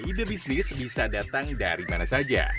ide bisnis bisa datang dari mana saja